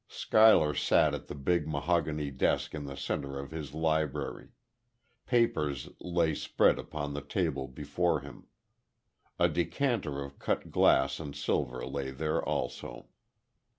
Schuyler sat at the big, mahogany desk in the center of his library. Papers lay spread upon the table before him. A decanter of cut glass and silver lay there, also.